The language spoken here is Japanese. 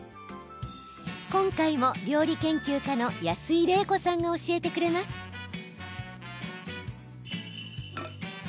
今回も料理研究家の安井レイコさんが教えてくれます。